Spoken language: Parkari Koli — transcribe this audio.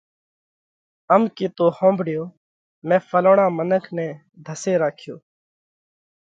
ام ڪيتو ۿومڀۯيو: ”مئين ڦلوڻا منک نئہ ڌسي راکيو